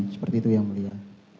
seperti itu yang mulia